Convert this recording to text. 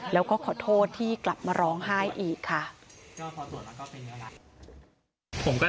แล้วก็ขอโทษที่กลับมาร้องไห้อีกค่ะ